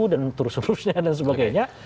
dan terus terusnya dan sebagainya